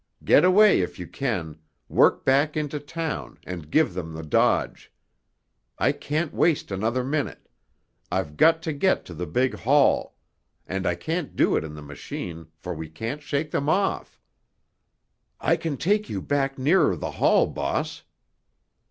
Get away if you can—work back into town and give them the dodge. I can't waste another minute—I've got to get to the big hall. And I can't do it in the machine, for we can't shake them off." "I can take you back nearer the hall, boss."